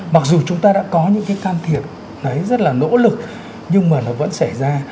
mặc dù chúng ta đã có những cái can thiệp đấy rất là nỗ lực nhưng mà nó vẫn xảy ra